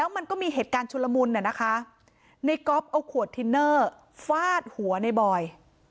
มันก็มีเหตุการณ์ชุดละมุนเนี่ยนะคะในเอาขวดขวาดหัวในบ๋อย